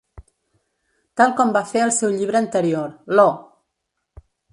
Tal com va fer el seu llibre anterior, Lo!